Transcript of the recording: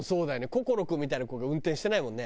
心君みたいな子が運転してないもんね。